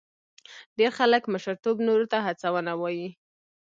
ډېر خلک مشرتوب نورو ته هڅونه وایي.